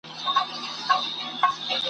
له پردیو به څه ژاړم له خپل قامه ګیله من یم !.